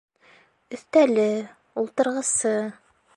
Өҫтәле, ултырғысы.